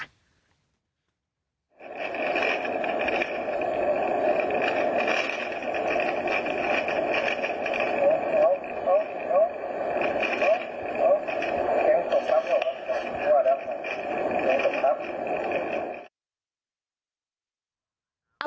ตบทรัพย์หรือเปล่าตบทรัพย์หรือเปล่า